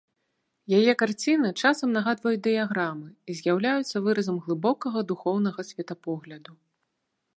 Яе карціны часам нагадваюць дыяграмы і з'яўляюцца выразам глыбокага духоўнага светапогляду.